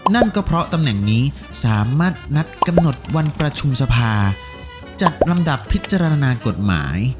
นั่นก็เพราะตำแหน่งนี้สามารถนัดกำหนดวันประชุมสภาจัดลำดับพิจารณากฎหมาย